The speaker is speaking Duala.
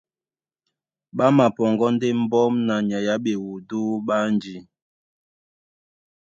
Ɓá mapɔŋgɔ́ ndé mbɔ́m na nyay á ɓewudú ɓé ánjí,